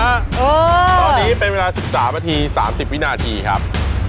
อ๋อเป็นวัน๑๓ปี๓๐วินาทีครับ